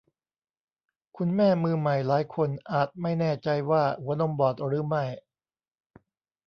คุณแม่มือใหม่หลายคนอาจไม่แน่ใจว่าหัวนมบอดหรือไม่